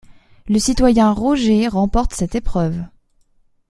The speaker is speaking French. Le citoyen Roger remporte cette épreuve.